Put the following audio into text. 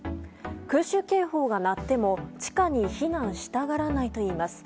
空襲警報が鳴っても地下に避難したがらないといいます。